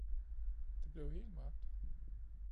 Det blev helt mørkt.